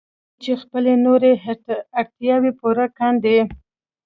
دا چې خپلې نورې اړتیاوې پوره کاندي.